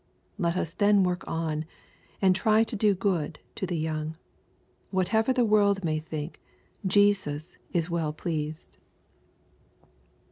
Let us then work on, and try to do good to the young. Whatever the world may think, Jesas is well pleased.